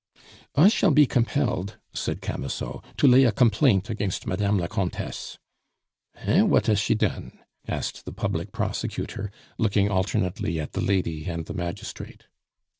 "I shall be compelled," said Camusot, "to lay a complaint against Madame la Comtesse " "Heh! What has she done?" asked the public prosecutor, looking alternately at the lady and the magistrate.